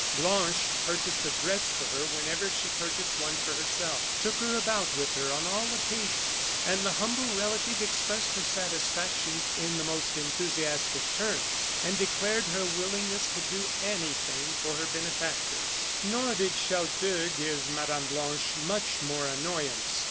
Blanche purchased a dress for her, whenever she purchased one for herself, took her about with her on all occasions, and the humble relative expressed her satisfaction in the most enthusiastic terms, and declared her willingness to do anything for her benefactress. Nor did Chelteux give Mme. Blanche much more annoyance.